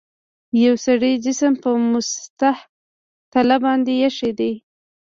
یو سړي جسم په مسطح تله باندې ایښي دي.